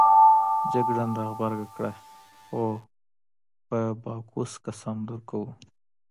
جګړن راغبرګه کړه: هو په باکوس قسم درکوو.